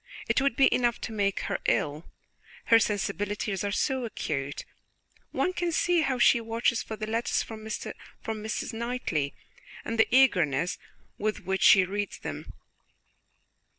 "It would be enough to make her ill, her sensibilities are so acute! One can see how she watches for the letters from Mrs. Knightley, and the eagerness with which she reads them."